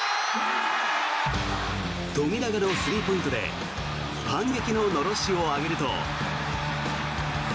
富永のスリーポイントで反撃ののろしを上げると。